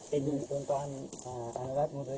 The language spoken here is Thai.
ตัวเนี้ยยังเด็กครับหมดแล้วมันขโมยแค่๒ตัว๒ตัว